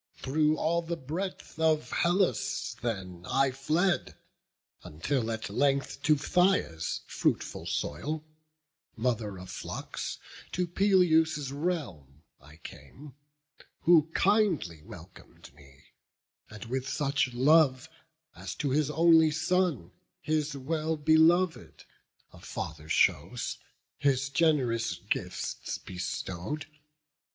Through all the breadth of Hellas then I fled, Until at length to Phthia's fruitful soil, Mother of flocks, to Peleus' realm I came, Who kindly welcom'd me, and with such love As to his only son, his well belov'd, A father shows, his gen'rous gifts bestow'd.